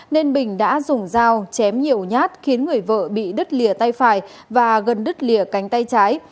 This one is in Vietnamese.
nên bình đã dùng dao chém nhiều nhát khiến người vợ bị đứt lìa tay phải và gần đứt lìa cánh tay trái